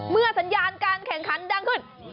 เมื่อสัญญาการแข่งขันดังขึ้น